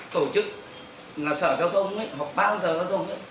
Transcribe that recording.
tổ chức sở giao thông hoặc băng sở giao thông